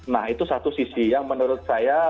nah itu satu sisi yang menurut saya